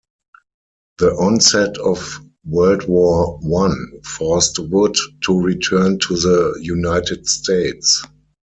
The onset of World War One forced Wood to return to the United States.